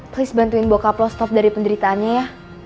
please bantuin bokap lo stop dari penderitaannya ya